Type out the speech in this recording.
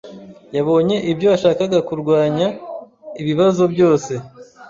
Yabonye ibyo yashakaga kurwanya ibibazo byose.